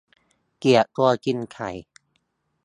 เกลียดตัวกินไข่